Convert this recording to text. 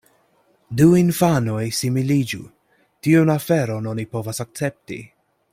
Du infanoj similiĝu, tiun aferon oni povas akcepti.